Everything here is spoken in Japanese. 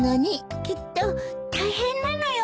きっと大変なのよ。